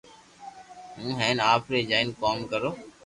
ھون ھين آپري جائين ڪوم ڪرو